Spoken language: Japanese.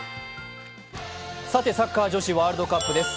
サッカー女子ワールドカップです。